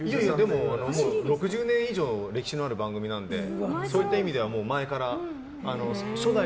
もう６０年以上歴史のある番組なのでそういった意味では前から。